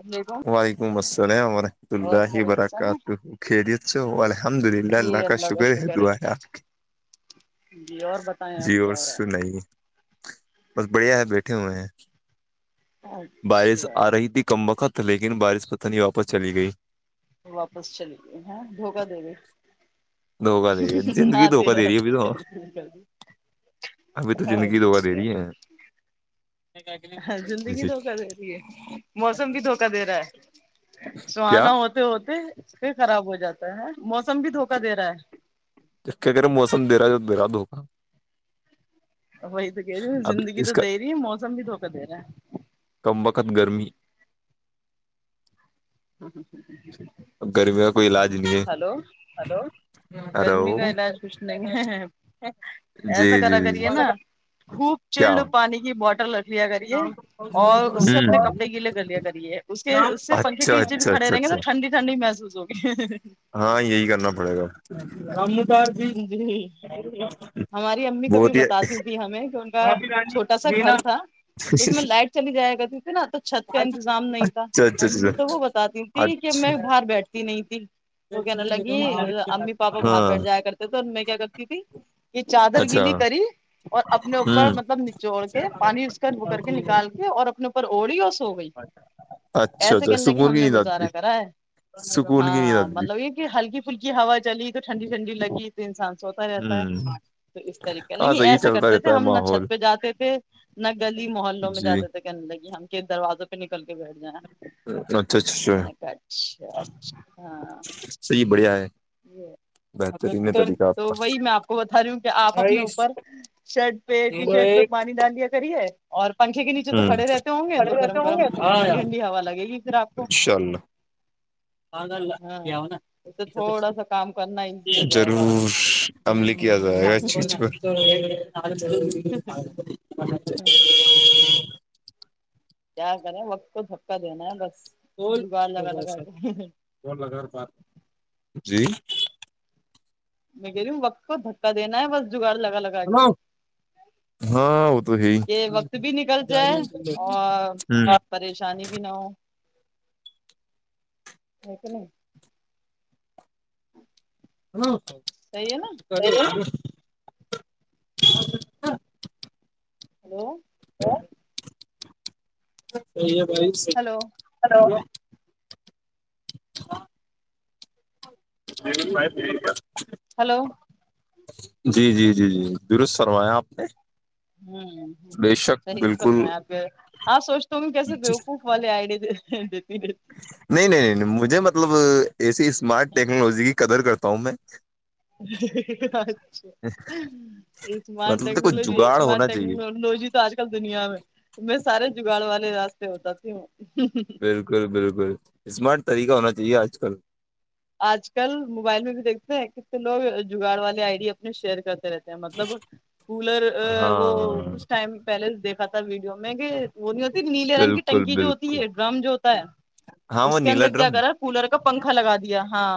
السلام علیکم وعلیکم السلام ورحمۃ اور اللہ خیریت سے ہیں وبرکاتہ خریت سے تو الحمد للہ اللہ کا شکر ہے دعا ہے آپ کی جی اور بتائیں اب جی کیا اور ہو رہا ہے سنائی بس بڑھیا ہے بیٹھے ہوئے ہیں بارش آ اچھا رہی تھی کم بخت لیکن بارش پت نہیں واپس چلی گئی واپس چلی گئے ہ دھوکہ دے گئی دوھکہ دے رہی ہے زندگی آتے دھوکہ دے رہی ہے آتے ابھی تو کینسل کر دی ابھی تو زندگی دھوکہ دے اچھا رہی ہے زندگی جی دھوکہ دے رہی ہے موسم بھی دھوکہ دے رہا ہے کیا سہانا ہوتا ہوتے پ خراب ہو جاتا ہے موسم بھی دھوکہ دے رہا ہے ج کہے موسم دے رہا درا د دھوکہ وہی تو کہہ رہی ہو اب زندگی اس تو کا دے رہی ہے موسم بھی دھوکہ دے رہا ہے کمبخت گرمی ہوں ہوں ہ ہ ہ [unintelligible] گرمی کا کوئی علاج نہیں ہے ہیلو گرمی کا علاج کچھ نہیں ہے جی ایسا جی کرا جی کریے نا خوب کیا چلڈ پانی کی بوٹل لیا کریے ہوں اور اس سے اپنے کپڑے گیلے کر لیا کریے اس کے اس سے پنکھے کے اچھا نیچے بھی اچھا کھڑے اچھا رہیں گے تو اچھا ٹنڈی ٹھنڈی محسوس ہوگی ہاں یہی کرنا پڑے گا بھی جی ہماری امی کبھی بہت ہی بتاتی تھی ہمیں کہ ان کا بھابھی رانی چھوٹ کیسا رینا گھر تھا تو اس میں لائٹ چلی جائے گا تے نا تو چھت کا اچھا انتظام نہیں تھا اچھا تو وہ بتاتی ہوں اچھا میں باہر بیٹھتی نہیں تھی تو کہنے لگی اچھا امی پاپا باہر ہاں بیٹھ جایا کر تو میں کیا کرتی تھی کہ چادر اچھا گیلی کری اور اپنے اوپر ہوں مطلب نچوڑ کے اچھا پانی اس کا ب کر کے نکال کے اور اپنے اوپر اوڑی اس ہو گئی ایسے اچھا کہنے لگی سکون ہم کی نے نیند آتی گزارا کرا ہے سکون کی نیند ہاں آتی مطلب یہ کہ ہلکی پھلکی ہوا چلی تو ٹھنڈی ٹھنڈی لگی تو انسان سوتا رہتا ہے ہوں تو اس طریقے ہاں لیکن صحیح ایسا چلتا کرتے تھے رہتا ہے ہم نہ ماحول چھت پہ جاتے تھے نہ گلی محلوں میں جی جاتے تھے کہنے لگی ہم کس دروازوں پہ نکل کے بیٹھ جائیں اچھا میں نے کہا اچھا ہاں صحیح بڑھیا ہے یہ بہتر ہاں تو وہی میں آپ کو بتا رہی ہوں کہ آپ اپنے اٹھائیس اوپر شرٹ پہ ٹی زیرو شرٹ ایک پہ پانی ڈال لیا کریے اور پنکھے کے نیچے تو ہوں کھڑے رہتے ہوں گے کھڑے تو رہتے گرم ہوں گرم گے ہاں ٹھنڈی ٹھنڈی ہوا لگے گی پھر آ کو بگ اللہ ہاں کیاؤ نا اس سے تھوڑا سا کام کرنا ایزی ہو [unintelligible] جائے گا آپ کو ضرور عمل کیا جائے گا اس چیز پر چ [unintelligible] کیا کیا کریں وقت کو دھکا دینا ہے بس جگاڑ لگا لگا کے کون اگ [unintelligible] بات جی میں کہہ رہی ہوں وقت کو دھکا دینا ہے بس جگاڑ لگا لگا گیا ہاں وہ تو ہے ہی کہ وقت بھی نکل جائے اور پریشانی بھی نہ ہو ہے کہ نہیں ہ [unintelligible] صحیح ہے نا ب [unintelligible] ہیلو صحیح ہے بھائ ہلو یلو د بھائی د کیا [unintelligible] ہلو جی جی جی جی درست سروایا آپ نے ہوں بے شک صحیح بلکل فرمایا آپ آپ سوچتے ہونگے کیسے بوقوف والے آئیڈے دیتی نہیں نہیں نہیں مجھے مطلب ایسی اسمارٹ ٹیکنالوجی کی قدر کرتا ہوں میں اچھا یہ اسمارٹ مطلب تو کچھ ٹیکنالوجی جگاڑ ہونا اسمارٹ چاہیے ٹیکنالوجی آج کل دنیا میں میں سارے جگاڑ والے راستے بتاتی ہوں بلکل بلکل اسمارٹ طریقہ ہونا چاہیے آج کل آج کل موبائل میں بھی دیکھتے ہیں کتنے لوگ جگاڑ والے آئی ڈی اپنے شیئر کرتے رہتے ہیں کیا مطلب کولر وہ ہاں کچھ ٹائم پہلے دیکھا تھا ویڈیو میں کہ وہ نہیں ہوتی نیلے رنگ کی بالکل ٹنکی جو ہوتی بالکل ہے ڈرم جو ہوتا ہے ہاں وہ اس کے نیلا اندر کیا ڈرم کرا کولر کا پنکھا لگا دیا ہاں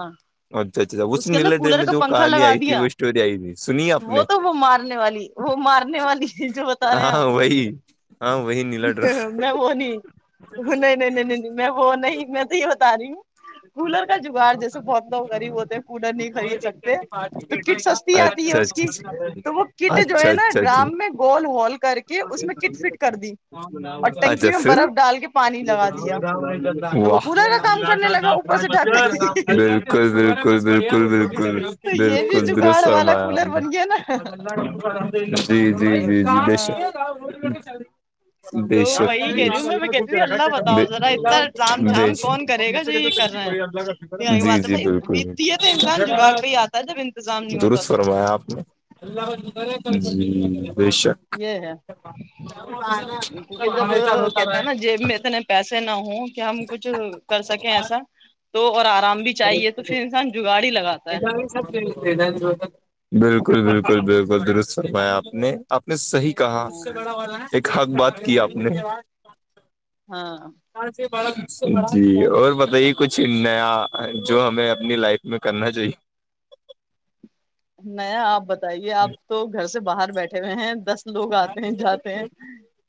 اچھا اچھا اس کے نیل اندر کولر ڈریم کا جو پنکھا کہانی لگا آئی تھی وہ دیا اسٹوری آئی تھی سنی آپ وہ نے تو وہ مارنے والی وہ مارنے والی جو بتا رہے ہیں ہاں وہی آپ ہاں وہی نیلا ڈر میں وہ نہیں ک نہیں کرو نہیں نہیں [inaudible] نہیں میں وہ نہیں میں تو یہ بتا رہی ہوں کولر کا جگاڑ جسے بہت لوگ غریب ہوتے ہیں کولر نہیں خرید سکتے تو کٹ سستی آتی ہے اچھا اچھا اچھا اس کی تو وہ کٹ جو اچھا ہے نا اچھا اچھا ڈرام میں گول ہول کر کے اس میں کٹ فٹ کر دی اور اچھا اچھا ٹنکی میں پھر برف ڈال کے پانی لگا دیا تو وہ واہ کولر کا کام کرنے لگا بس ڈٹھک [inaudible] بالکل بالکل بالکل بالکل تو یہ بھی بالکل درست جگاڑ والا فرمایا کولر ہمپ نے بن [inaudible] گیا نا جی جی جی جی ب شک ہاں [inaudible] بے تو شک بے شک وہی کہہ رہی ہوں میں میں کہتی ہوں اللہ بتاؤ ذرا اتنا ڈرام بے جھام شک کون کرے گا جو یہ کر رہے ہیں اللہ کا فکر یہاں کی جی بات ہے جی بھائی بلکل بیتتی ہے تو انسان جگاڑ پہ ہی آتا ہے جب انتظام نہیں ہوتا درست تو فرمایا آپ نے اللہ بیشک [inaudible] یہ ہے کیونکہ جب کہتے ہیں نا جیب میں اتنے پیسے نہ ہوں کہ ہم کچھ کر سکیں ایسا تو اور آرام بھی چاہیے تو پھر انسان جگاڑ ہی لگاتا ہے بلکل بلکل بلکل درست فرمایا آپ ہے نے آپ نے صحیح کہا ایک حق بات کی آپ نے ہاں جی اور بتائیے کچھ نیا جو ہمیں اپنی لائف میں کرنا چاہیے نیا آپ بتائیے آپ تو گھر سے باہر بیٹھے ہوئے ہیں دس لوگ آتے ہیں جاتے ہیں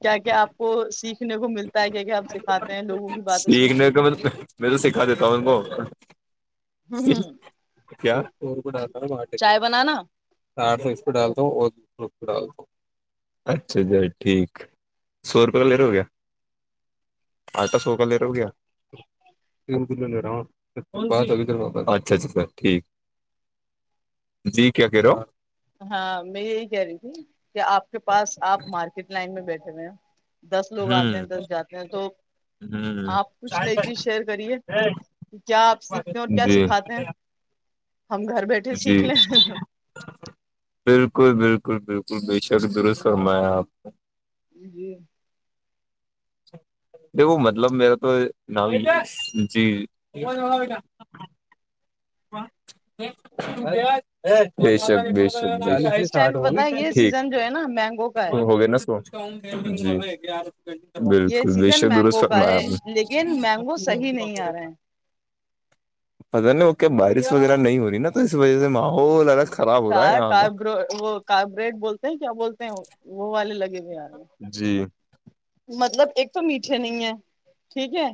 کیا کیا آپ کو سیکھنے کو ملتا ہے کیا کیا آپ سکھاتے لوگوں کی باتیں سن سیکھنے سن کا کے میں تو سکھا دیتا ہوں ان کو ہ ا اور کوٹ کے چائے [inaudible] بنانا ساھ سو اسس پہ ڈالتا ہوں اور رو پہ ڈالتا ہوں [inaudible] اچھا اھی ٹھیک سو روپے کا لر ہو گیا [inaudible] آٹا سو کا لے رہے ہو کیا کلو لے رہا ہوں اچھا اچھا سر ٹھیک جی کیا کہہ رہا ہو ہاں میں یہی کہہ رہی تھی کہ آپ کے پاس آپ مارکیٹ لائن میں بیٹھے ہوئے ہیں دس لوگ آتے ہیں ہوں دس جاتے ہیں تو ہوں آپ کچھ نئی شاید چیز شیئر کریے کیا آپ سیکھتے ہیں اور کیا جی سکھاتے ہیں ہم گھر بیٹھے جی سیکھ لیں بالکل بالکل بالکل بے شک درست فرمایا آپ نے جی دیکھو مطلب میرا تو جی بے شک بے شک چالیس سے اس ٹائم ساٹھ پہ ہو پتا ہے نا یہ ٹھیک سیزن جو ہے نا مینگو کا ہے ہوگئے نا س تو ہے گ آر گنے [unintelligible] یہ بالکل بے سیزن شک دورست مینگو کا فرمایا ہے لیکن مینگو آپ نے صحیح نہیں آ رہے ہیں پتا نہیں وہ کیا بارش وغیرہ نہیں ہو رہی نا تو اس وجہ سے ماحول الگ خراب ہو رہا ہے یہاں کا سارب وہ کاربائڈ بولتے ہیں کیا بولتے ہیں وہ والے لگے ہوئے آ رہے ہیں جی مطلب ایک تو میٹھے نہیں ہے ٹھیک ہے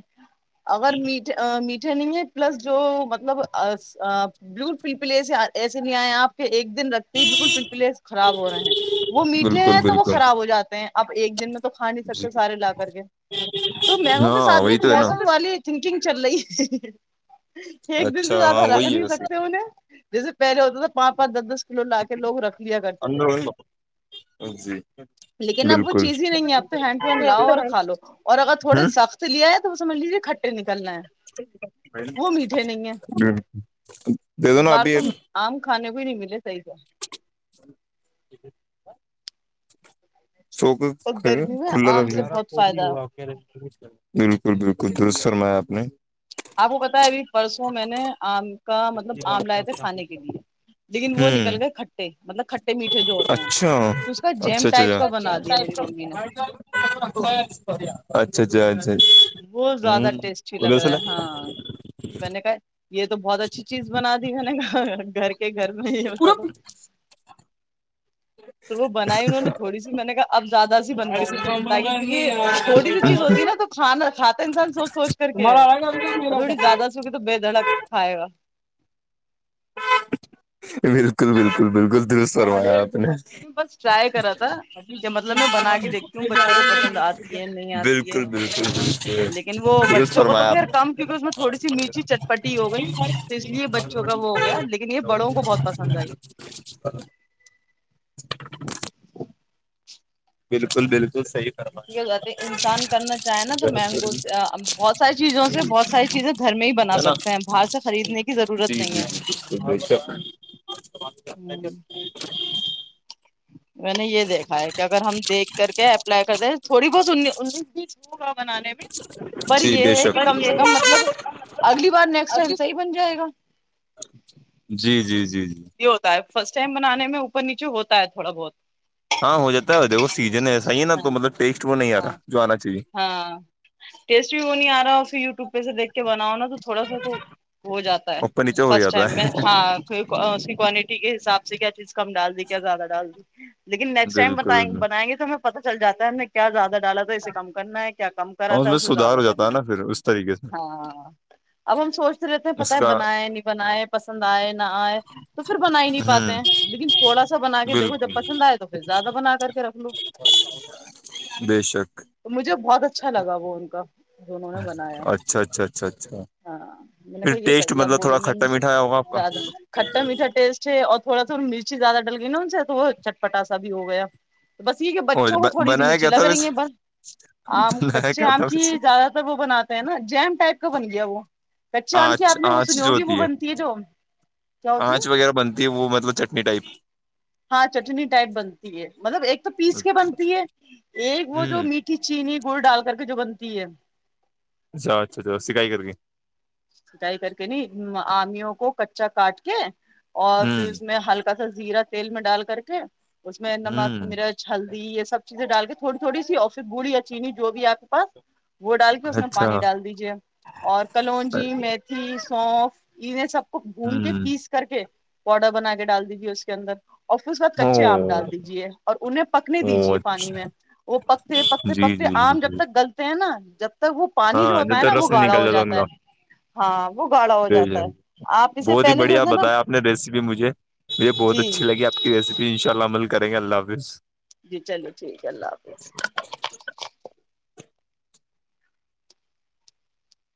اگر میٹھے میٹھے نہیں ہے پلس جو مطلب بلو پلپل ای ایسے نہیں آئے آپ کے ایک دن رکھ بالکل پلپلے خراب ہو رہے ہیں وہ میٹھے بالکل ہیں تو وہ بالکل خراب ہو جاتے ہیں اب ایک دن میں تو کھانے جی سارے لا کر کے تو مینگو کے ہاں ساتھ بھی وہی تو ہے نا موسم والی تھنکنگ چل رہی ہے ایک دن اچھا سے زیادہ ہاں رکھ وہی ہے نہیں ویسے سکتے انہیں جیسے پہلے ہوتے تھا پانچ پانچ دس دس کلو لا کے لوگ رکھ لیا کرتے تھے اندر جی لیکن اب وہ بالکل چیز ہی نہیں ہے اب تو ہینڈ لاؤ اور کا کھا لو اور اگر تھوڑے سخت لیا ہے تو سمجھ لیجیے ک نکلنا ہے وہ میٹھے نہیں ہے دے اس دو نا بار ابھی تو ایک آم کھانے بھی نہیں ملے صحیح [inaudible] سوکا اور گرمی میں کھلا آم رکھ سے لینا بہت فائدہ ہے بالکل بالکل درست فرمایا آپ نے آپ کو پتا ہے ابھی پرسوں میں نے آم کا مطلب آم لائے تھے کھانے کے لیے لیکن وہ نکل ہوں گئے کھٹے مطلب کھٹے میٹھے جو ہوتے ہیں اچھا تو اس کا جیم اچھا اچھا ٹائپ اچھا کا بنا دیا میری ممی نے [inaudible] اچھا اچھا اچھا اچا ہ وہ ادر زیادہ ٹیسٹی سے لگ رہا ہے لا ہاں میں نے کہا یہ تو بہت اچھی چیز بنا دی میں نے گھر کے گھر میں ہی ہوتا تو وہ بنائی انہوں نے تھوڑی سی میں نے کہا اب زیادہ سی بنواؤں گی تاکہ کیونکہ تھوڑی سی چیز ہوتی نا تو کھانا کھاتا ہے انسان سوچ سوچ کر کے ہے تمہارا آئے گا اور میرا تھوڑی زیادہ سوے تو بے دھڑک کھائے گا بالکل بالکل بالکل دورست فرمایا آپ نے انہوں بس ٹرائی کرا تھا اھی کہ [inaudible] مطلب میں بنا کے دیکھتی بالکل ہوں بچوں کو پسند آتی ہے نہیں آتی ہے بالکل بالکل لیکن وہ درست بچوں کو تو فرمایا آپ خیر نے کم کیونکہ اس میں تھوڑی سی میٹھی چٹپٹی ہو گئی تو اس لیے بچوں کا وہ ہو گیا لیکن یہ بڑوں کو بہت پسند آئی [inaudible] [inaudible] بالکل بالکل صحیح [inaudible] فرمایا انسان کرنا چاہے نا تو مینگوز بہت ساری چیزوں سے بہت ساری چیزیں گھر میں ہی بنا ہے نا سک باہر سے خریدنے کی ضرورت جی جی نہیں ہے بے شک ہو میں نے یہ دیکھا ہے کہ اگر ہم دیکھ کر کے اپلائی کر دیں تھوڑی بہت انیس بیچ ہوگا بنانے میں پر جی بے یہ ہے شک کہ کم سے کم مطلب اگلی بار نیکسٹ ٹائم صحیح بن جائے گا جی جی جی جی یہ ہوتا ہے فرسٹ ٹائم بنانے میں اوپر نیچے ہوتا ہے تھوڑا بہت ہاں ہو جاتا ہے وہ سیزن ہے ایسا ہی ہے نا ہاں تو مطلب ٹیسٹ وہ نہیں آ ہاں رہا جو آنا چاہیے ہاں ٹیسٹ بھی وہ نہیں آ رہا پھر یوٹیوب پہ سے دیکھ کے بناؤ نا تو تھوڑا سا تو ہو جاتا ہے اوپر نیچے ہو فرسٹ جاتا ٹائم ہے میں ہاں اس کی کوانٹٹی کے حساب سے کیا چیز کم ڈال دی کیا زیادہ ڈال دی لیکن نیکسٹ ٹائم بالکل بنائ گے تو ہمیں پتا چل جاتا ہے ہم نے کیا زیادہ ڈالا اسے کم کرنا ہے کیا کم کرا اور اس تھا میں اسے سدھار زیادہ ہو جاتا کرنا ہے نا پھر اس طریقے سے ہاں اب ہم سوچتے رہتے ہیں اس پتا ہے کا بنائے نہیں بنائے پسند آئے نہ آئے تو پھر بنا ہی نہیں پاتے ہوں ہیں لیکن تھوڑا سا بنا کے دیکھو جب بالکل پسند آئے تو پھر زیادہ بنا کر کے رکھ لو بے شک تو مجھے بہت اچھا لگا وہ ان کا جو انہوں نے بنایا اچھا اچھا اچھا اچھا ہاں میں نے پھر کہا یہ ٹیسٹ صحیح ہے اب مطلب تھوڑا بولوں گی کھٹا امی سے میٹھا آیا ہوگا آپ کا زیادہ کھٹا میٹھا ٹیسٹ ہے اور تھوڑا تھوڑا مرچی زیادہ ڈل گئی نا ان سے تو وہ چٹ پٹاسا بھی ہو گیا تو بس یہ کہ اور بچوں کو تھوڑی سی بنایا مرچی کیا تھا لگ رہی ہیں ویسے بس آم بنایا کچے کیا آم تھا کی ویسے زیادہ تر وہ بناتے ہیں نا جیم ٹائپ کا بن گیا وہ کچی آم کی آنچ آپ نے وہ آنچ سنی جو ہوگی وہ ہوتی بنتی ہے تو آنچ وغیرہ بنتی ہے وہ مطلب چٹنی ٹائپ ہاں چٹنی ٹائپ بنتی ہے مطلب ایک تو پیس کے بنتی ہے ایک وہ ہوں جو میٹ کی چینی گڑ ڈال کر کے جو بنتی ہے اچھا اچھا اچا سٹایے کائ کر گی سٹائی کر کے نہیں آمیوں کو کچا کاٹ کے اور پھر ہوں اس میں ہلکا ا سا زیرا تیل میں ڈال کر کے اس میں نمک ہوں مرچ ہلدی یہ سب چیزیں ڈال کے تھوڑی تھوڑی سی اورف گڑ یا چینی جو بھی آپ بس وہ ڈال کے اس میں اچھا پانی ڈال دیجیے اور کلونج جی میتھی سونف انہیں سب کو بھون کے ہوں پیس کر کے پاؤڈر بنا کے ڈال دیجیے اس کے اندر اور پھر اس بعد کچے آم او ڈال دیجیے اور انہیں پکنے او دیجے پانی اچھا میں وہ پکتے پکتے جی پکتے جی جی آم جب جی تک گلتے ہیں نا جب تک وہ پانی جو ہاں جب ہوتا ہے نا تک وہ رس نہیں گاڑھا نکل ہو ان جاتا کا ہے ہاں وہ گاڑا ہو بے جاتا ہے شک، آپ اسے بہت پہلے جو ہے نا یہ بہت جی اچھی لگی آپ کی ریسپی انشاء ا اللہ عمل کریں گے اللہ حافظ جی چلیے ٹھیک ہے اللہ حافظ